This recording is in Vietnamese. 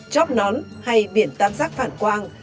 chóp nón hay biển tam giác phản quang